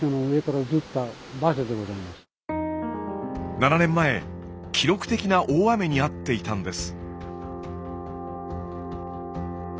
７年前記録的な大雨に遭っていたんです。